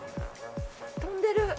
飛んでる。